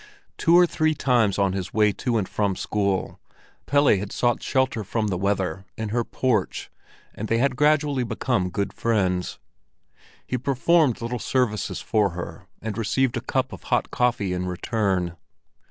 Two or three times on his way to and from school, Pelle had sought shelter from the weather in her porch, and they had gradually become good friends; he performed little services for her, and received a cup of hot coffee in return.